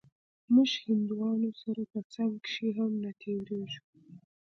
موږ هندوانو سره په څنگ کښې هم نه تېرېږو.